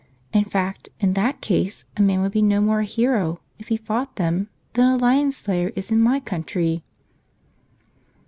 In fact, in that case, a man would be no more a hero if he fought them, than a lion slayer is in my country."